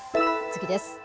次です。